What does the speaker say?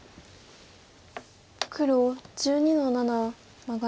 黒１２の七マガリ。